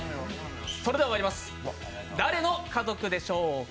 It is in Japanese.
それではまいります、誰の家族でしょうか？